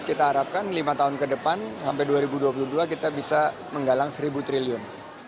kita harapkan lima tahun ke depan sampai dua ribu dua puluh dua kita bisa menggalang seribu triliun